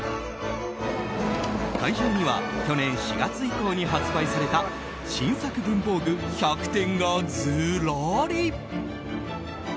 会場には去年４月以降に発売された新作文房具１００点がずらり。